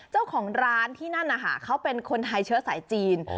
เจ้าของร้านที่นั่นนะคะเขาเป็นคนไทยเชื้อสายจีน